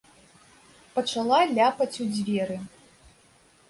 Пачала ляпаць у дзверы.